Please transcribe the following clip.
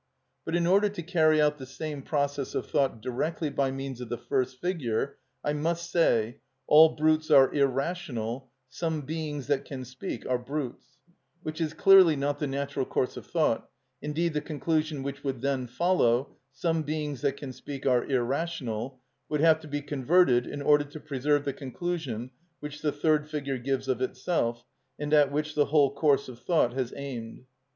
But in order to carry out the same process of thought directly by means of the first figure I must say: "All brutes are irrational; Some beings that can speak are brutes," which is clearly not the natural course of thought; indeed the conclusion which would then follow, "Some beings that can speak are irrational," would have to be converted in order to preserve the conclusion which the third figure gives of itself, and at which the whole course of thought has aimed.